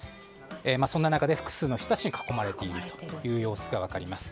そんな中で複数の人たちに囲まれている様子が分かります。